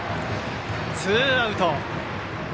ツーアウト。